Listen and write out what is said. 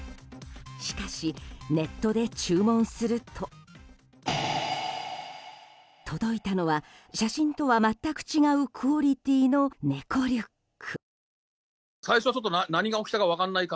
しかし、ネットで注文すると届いたのは、写真とは全く違うクオリティーの猫リュック。